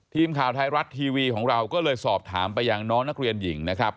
ทีมข่าวไทยรัฐทีวีของเราก็เลยสอบถามไปยังน้องนักเรียนหญิงนะครับ